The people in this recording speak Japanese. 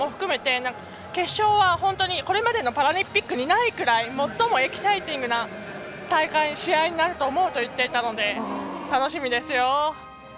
決勝はこれまでのパラリンピックにないぐらい最もエキサイティングな試合になると思うと言っていたので、楽しみですよ。